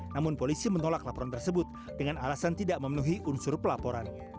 namun polisi menolak laporan tersebut dengan alasan tidak memenuhi unsur pelaporan